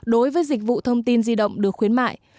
đối với dịch vụ thông tin di động được khuyến mại